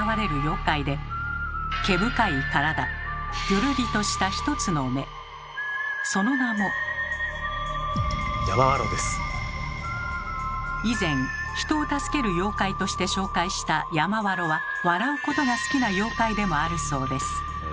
笑いをとりたいその名も以前人を助ける妖怪として紹介した「山童」は笑うことが好きな妖怪でもあるそうです。